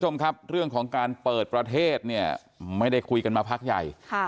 คุณผู้ชมครับเรื่องของการเปิดประเทศเนี่ยไม่ได้คุยกันมาพักใหญ่